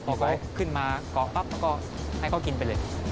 ออกไปขึ้นมาเกาะปั๊บแล้วก็ให้เขากินไปเลย